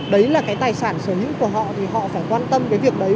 đấy là cái tài sản sở hữu của họ thì họ phải quan tâm cái việc đấy